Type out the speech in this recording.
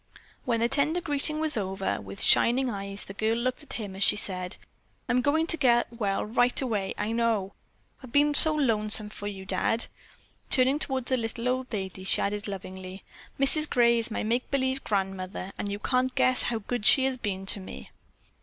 When the tender greeting was over, with shining eyes the girl looked at him as she said, "I'm going to get well right away now, I know. I've been so lonesome for you, Dad." Turning toward the little old lady, she added lovingly: "Mrs. Gray is my make believe grandmother, and you can't guess how good she has been to me."